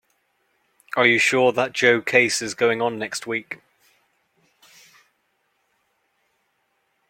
Are you sure that Joe case is going on next week?